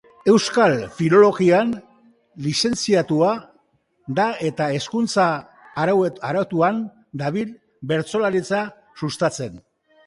Euskal Filologian lizentziatua da eta hezkuntza arautuan dabil bertsolaritza sustatzen.